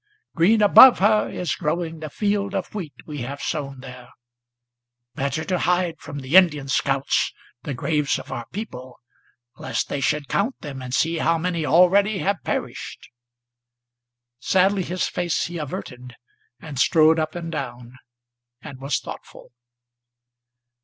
Green above her is growing the field of wheat we have sown there, Better to hide from the Indian scouts the graves of our people, Lest they should count them and see how many already have perished!" Sadly his face he averted, and strode up and down, and was thoughtful.